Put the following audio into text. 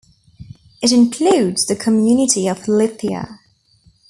It includes the community of Lithia.